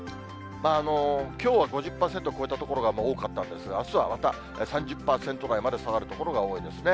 きょうは５０％超えた所が多かったんですが、あすはまた３０％台まで下がる所が多いですね。